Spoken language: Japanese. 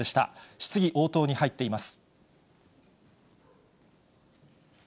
質疑応答に入っています。